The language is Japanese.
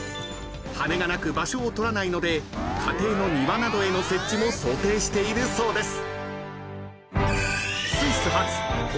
［羽根がなく場所を取らないので家庭の庭などへの設置も想定しているそうです］